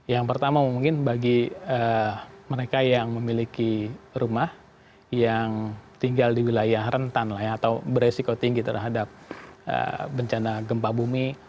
yang pertama mungkin bagi mereka yang memiliki rumah yang tinggal di wilayah rentan lah ya atau beresiko tinggi terhadap bencana gempa bumi